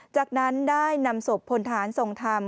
จากนั้นได้นำศพพลฐานทรงธรรม